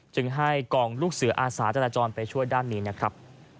จึงให้กองลูกเสืออาสาจราจรไปช่วยด้านนี้นะครับ